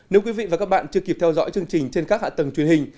nếu quý vị và các bạn chưa kịp theo dõi chương trình trên các hạ tầng truyền hình